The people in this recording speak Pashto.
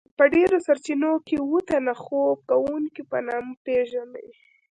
په ډیرو سرچینو کې اوه تنه خوب کوونکيو په نامه پیژني.